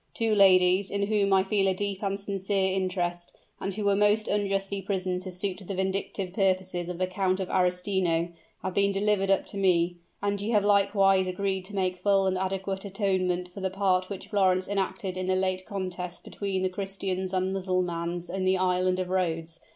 Two ladies, in whom I feel a deep and sincere interest, and who were most unjustly imprisoned to suit the vindictive purposes of the Count of Arestino, have been delivered up to me: and ye have likewise agreed to make full and adequate atonement for the part which Florence enacted in the late contest between the Christians and Mussulmans in the Island of Rhodes.